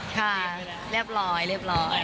ค่ะเรียบร้อย